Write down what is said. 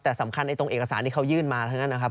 แต่สำคัญตรงเอกสารที่เขายื่นมาทั้งนั้นนะครับ